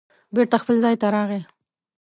بېرته خپل ځای ته راغی